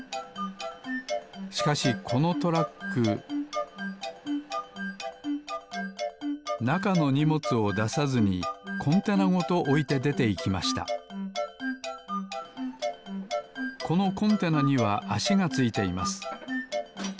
しかしこのトラックなかのにもつをださずにコンテナごとおいてでていきましたこのコンテナにはあしがついています。